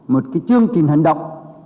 một cái chương trình hành động